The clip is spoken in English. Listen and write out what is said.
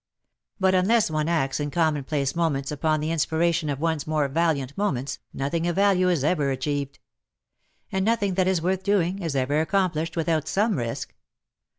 But unless one acts in commonplace moments upon the inspiration of one's more valiant moments, nothing of value is ever achieved. And nothing that is worth doing is ever accomplished without some risk.